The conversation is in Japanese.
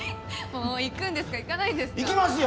行くんですか行かないんですか？